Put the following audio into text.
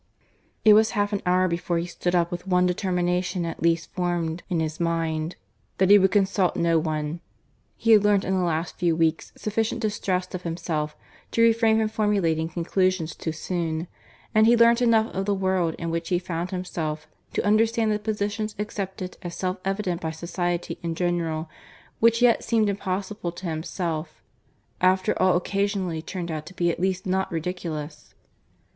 It was half an hour before he stood up, with one determination at least formed in his mind that he would consult no one. He had learnt in the last few weeks sufficient distrust of himself to refrain from formulating conclusions too soon, and he learnt enough of the world in which he found himself to understand that positions accepted as self evident by society in general, which yet seemed impossible to himself, after all occasionally turned out to be at least not ridiculous.